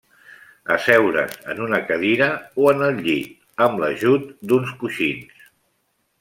Asseure's en una cadira o en el llit, amb l'ajut d'uns coixins.